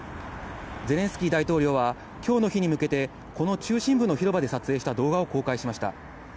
ゼレンスキー大統領は、きょうの日に向けて、この中心部の広場で撮影した動画を公開しました。